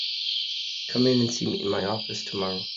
Come in and see me in my office tomorrow.